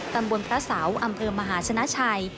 ตำบลพระเสาอำเภอมหาชนะชัย